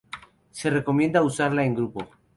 Se recomienda usarla en grupo